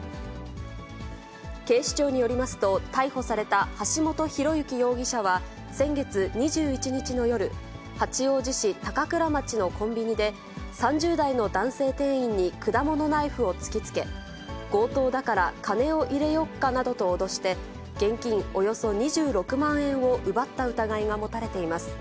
警視庁によりますと、逮捕された橋本広幸容疑者は先月２１日の夜、八王子市高倉町のコンビニで、３０代の男性店員に果物ナイフを突きつけ、強盗だから金を入れよっかなどと脅して、現金およそ２６万円を奪った疑いが持たれています。